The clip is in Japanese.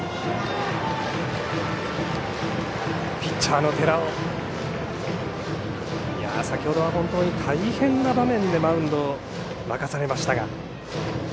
ピッチャーの寺尾先ほどは本当に大変な場面でマウンドに任されましたが。